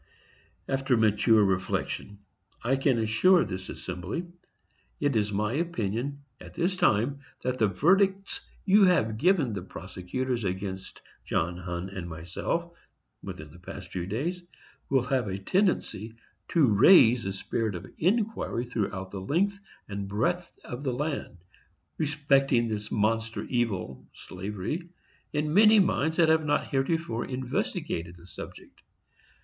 After mature reflection, I can assure this assembly it is my opinion at this time that the verdicts you have given the prosecutors against John Hunn and myself, within the past few days, will have a tendency to raise a spirit of inquiry throughout the length and breadth of the land, respecting this monster evil (slavery), in many minds that have not heretofore investigated the subject.